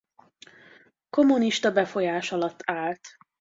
Kommunista befolyás alatt állt.